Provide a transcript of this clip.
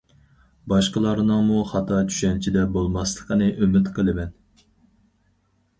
باشقىلارنىڭمۇ خاتا چۈشەنچىدە بولماسلىقىنى ئۈمىد قىلىمەن.